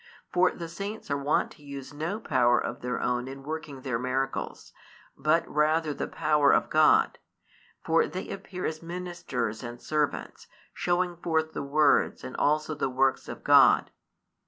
For the saints are wont to use no power of their own in |262 working their miracles, but rather the power of God: for they appear as ministers and servants, showing forth the words and also the works of God.